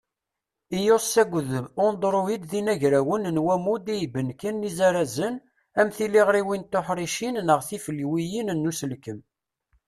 IOS akked Androïd d inagrawen n wammud i ibenken izirazen, am tiliɣriwin tuḥricin neɣ tifelwiyin n uselkem.